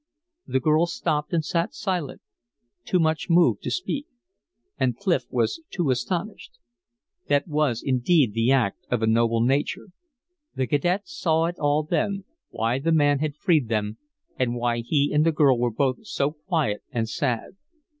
'" The girl stopped and sat silent, too much moved to speak. And Clif was too astonished. That was indeed the act of a noble nature. The cadet saw it all then, why the man had freed them and why he and the girl were both so quiet and sad.